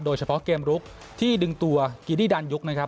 โดยเฉพาะเกมลุกที่ดึงตัวกีดี้ดานยุคนะครับ